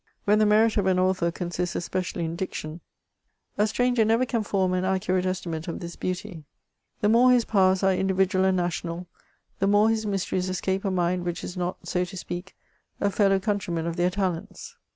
When the merit of an author consists especially in diction^ VOL. I. 2 I 428 MEMOIBS OF a stranger never can form an accurate estimate of this beauty* The more his powers are individual and national, the more lus mysteries escape a mind which is not, so to speak, a feUUno countryman of th^ talents.